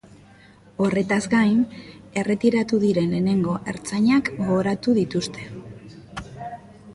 Horretaz gain, erretiratu diren lehenengo ertzainak gogoratu dituzte.